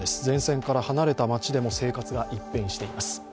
前線から離れた町でも状況が一変しています。